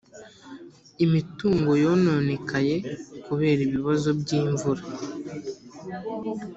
imitungo yononekaye kubera ibibazo by’imvura